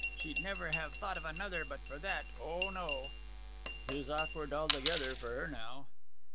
She'd never have thought of another but for that O no!' ''Tis awkward, altogether, for her now.'